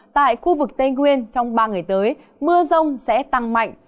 tại khu vực tây nguyên trong ba ngày tới mưa rông sẽ tăng mạnh